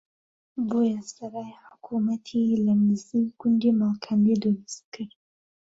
بۆیە سەرای حکومەتی لە نزیک گوندی مەڵکەندی دروستکرد